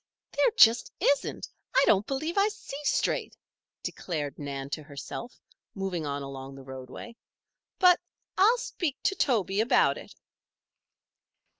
"There just isn't! I don't believe I see straight!" declared Nan to herself, moving on along the roadway. "But I'll speak to Toby about it."